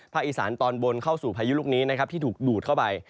อีสานตอนบนเข้าสู่พายุลูกนี้นะครับที่ถูกดูดเข้าไป